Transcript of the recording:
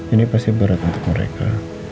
ini pasti berat untuk mereka